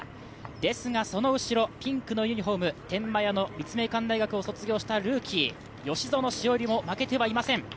ですがその後ろピンクのユニフォーム立命館大学を卒業したルーキー、吉薗栞も負けていません。